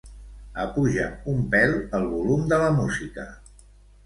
Apuja'm un pèl el volum de la música.